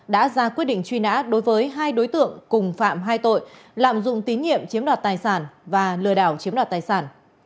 đã ra quyết định truy nã đối với hai đối tượng cùng phạm hai tội lạm dụng tín nhiệm chiếm đoạt tài sản và lừa đảo chiếm đoạt tài sản